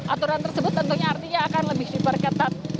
aturan tersebut tentunya artinya akan lebih diperketat